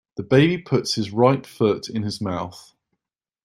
The baby puts his right foot in his mouth.